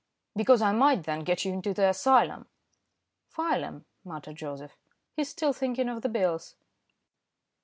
"Because I might then get you into the asylum." "File 'em," muttered Joseph. "He's still thinking of the bills."